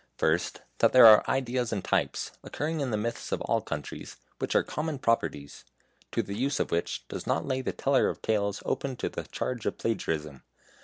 First, that there are ideas and types, occurring in the myths of all countries, which are common properties, to use which does not lay the teller of fairy tales open to the charge of plagiarism.